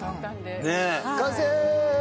完成！